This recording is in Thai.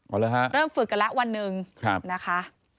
เอาเลยฮะเริ่มฝึกกันแล้ววันหนึ่งนะคะ